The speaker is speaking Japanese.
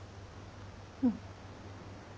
うん。